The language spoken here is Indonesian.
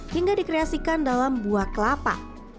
hingga dikreasikan dalam buah kelapa